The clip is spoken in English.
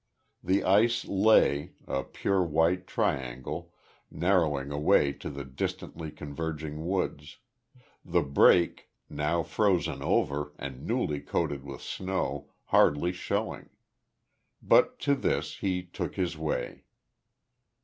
The ice lay, a pure white triangle, narrowing away to the distantly converging woods; the break, now frozen over and newly coated with snow, hardly showing. But to this he took his way.